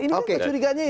ini kan kecuriganya itu